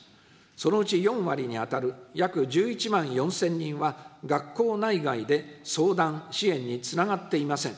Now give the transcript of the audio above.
そのうち４割に当たる約１１万４０００人は、学校内外で相談、支援につながっていません。